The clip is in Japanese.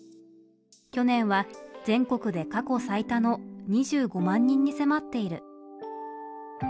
去年は全国で過去最多の２５万人に迫っている。